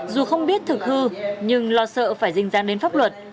dù không biết thực hư nhưng lo sợ phải dinh giang đến pháp luật